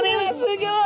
ギョくい